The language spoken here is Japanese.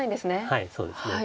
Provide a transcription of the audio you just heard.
はいそうですね。